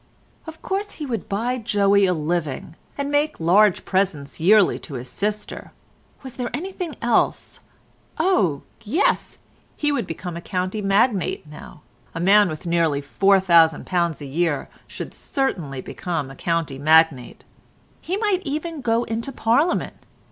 "Of course he would buy Joey a living, and make large presents yearly to his sister—was there anything else? Oh! yes—he would become a county magnate now; a man with nearly £4000 a year should certainly become a county magnate. He might even go into Parliament.